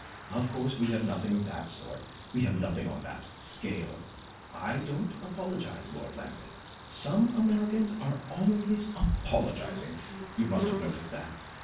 Of course we have nothing of that sort, we have nothing on that scale. I don't apologize, Lord Lambeth; some Americans are always apologizing; you must have noticed that.